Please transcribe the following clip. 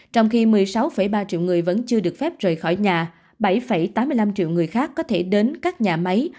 trong khi một mươi sáu ba triệu người vẫn chưa được phép rời khỏi nhà bảy tám mươi năm triệu người khác có thể đến các nhà máy